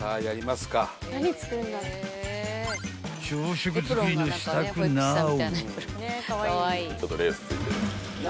［朝食作りの支度なう］